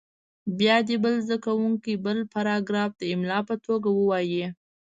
بیا دې بل زده کوونکی بل پاراګراف د املا په توګه ووایي.